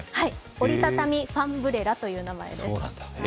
折り畳みファンブレラという名前です。